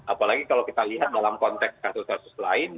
apalagi kalau kita lihat dalam konteks kasus kasus lain